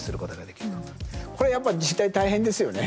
これやっぱ自治体大変ですよね。